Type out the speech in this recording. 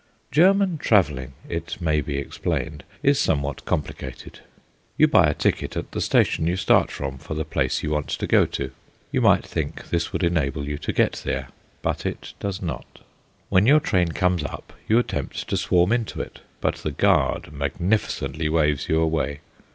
German travelling, it may be explained, is somewhat complicated. You buy a ticket at the station you start from for the place you want to go to. You might think this would enable you to get there, but it does not. When your train comes up, you attempt to swarm into it; but the guard magnificently waves you away.